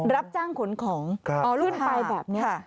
รับจ้างขนของขึ้นไปแบบนี้